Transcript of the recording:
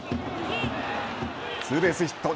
ツーベースヒット。